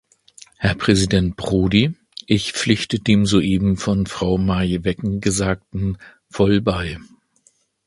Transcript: Herr Präsident Prodi, ich pflichte dem soeben von Frau Maij-Weggen Gesagten voll bei.